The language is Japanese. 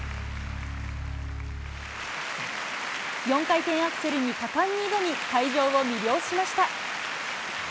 ４回転アクセルに果敢に挑み、会場を魅了しました。